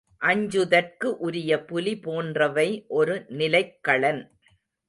அஞ்சுதற்கு உரிய புலி போன்றவை ஒரு நிலைக்களன்.